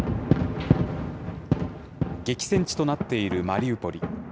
激戦地となっているマリウポリ。